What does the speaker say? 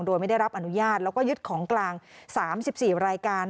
โดยไม่ได้รับอนุญาตแล้วก็ยึดของกลาง๓๔รายการ